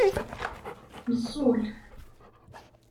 Neẓẓul.